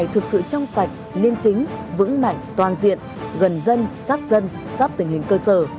thực sự trong sạch liêm chính vững mạnh toàn diện gần dân sát dân sát tình hình cơ sở